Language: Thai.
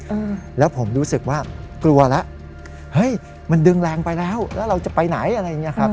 อืมแล้วผมรู้สึกว่ากลัวแล้วเฮ้ยมันดึงแรงไปแล้วแล้วเราจะไปไหนอะไรอย่างเงี้ครับ